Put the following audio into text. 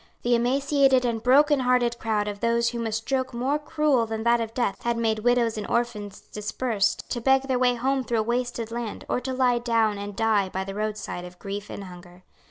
The emaciated and brokenhearted crowd of those whom a stroke more cruel than that of death had made widows and orphans dispersed, to beg their way home through a wasted land, or to lie down and die by the roadside of grief and hunger.